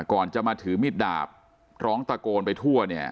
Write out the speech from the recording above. ก่อนจะมาถือมิดดาบร้องตะโกนไปทั่วเนี่ย